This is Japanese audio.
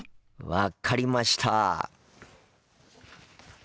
分かりました！